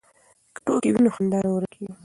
که ټوکې وي نو خندا نه ورکېږي.